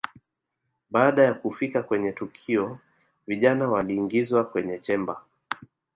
Baada ya kufika kwenye tukio vijana waliingizwa kwenye chemba